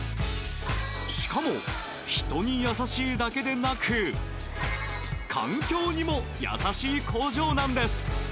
しかも、人に優しいだけでなく環境にも優しい工場なんです。